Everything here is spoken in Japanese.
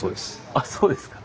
あっそうですか。